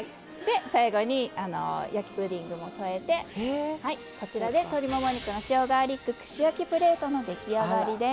最後に焼きプディングも添えて鶏もも肉の塩ガーリック串焼きプレートの出来上がりです。